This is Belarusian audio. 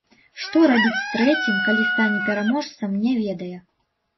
Што рабіць з трэцім, калі стане пераможцам, не ведае.